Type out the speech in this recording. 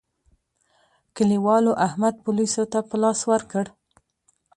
کلیوالو احمد پوليسو ته په لاس ورکړ.